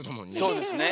そうですね。